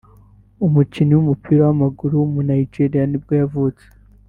umukinnyi w’umupira w’amaguru w’umunyanigeria nibwo yavutse